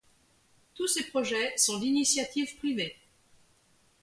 Tous ces projets sont d'initiative privée.